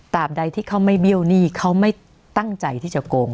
ใดที่เขาไม่เบี้ยวหนี้เขาไม่ตั้งใจที่จะโกง